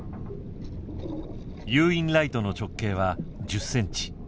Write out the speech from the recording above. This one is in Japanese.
誘引ライトの直径は１０ｃｍ。